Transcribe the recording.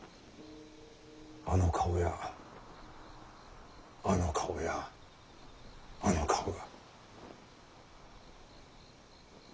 あの顔やあの顔やあの顔が。